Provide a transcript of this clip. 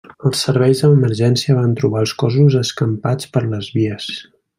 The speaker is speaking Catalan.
Els serveis d'emergència van trobar els cossos escampats per les vies.